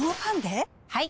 はい！